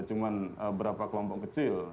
cuma beberapa kelompok kecil